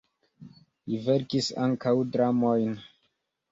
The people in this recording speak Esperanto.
Li verkis ankaŭ dramojn.